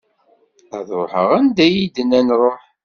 Ad ruḥeɣ anda i yi-d-nnan ruḥ.